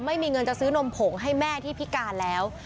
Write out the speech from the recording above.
ไม่มีเงินจะซื้อนมผงให้แม่ที่พิการแล้ว